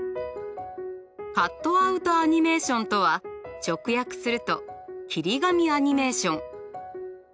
カットアウトアニメーションとは直訳すると切り紙アニメーション。